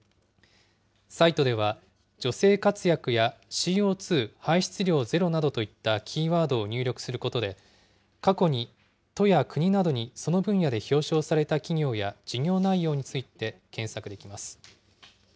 サイトでは、女性活躍やＣＯ２排出量ゼロなどといったキーワードを入力することで、過去に都や国などにその分野で表彰された企業や事業内容について検索できます。